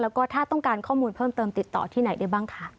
แล้วก็ถ้าต้องการข้อมูลเพิ่มเติมติดต่อที่ไหนได้บ้างค่ะ